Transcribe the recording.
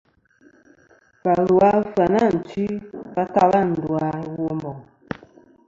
Và lu a Ɨfyanatwi va tala ndu a Womboŋ.